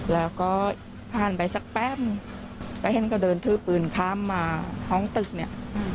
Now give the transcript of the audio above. แล้วก็ผ่านไปสักแป๊บแล้วเห็นก็เดินถือปืนข้ามมาท้องตึกเนี่ย